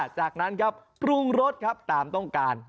จากนั้นครับปรุงรสครับตามต้องการ